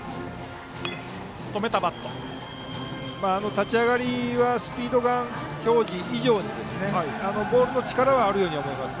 立ち上がりはスピードガン表示以上にボールの力はあるように思えます。